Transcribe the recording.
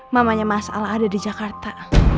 mamanya mas al ada di jakarta